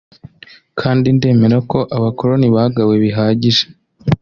kandi ndemera ko Abakoloni bagawe bihagije